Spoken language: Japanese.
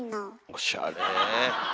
おしゃれ。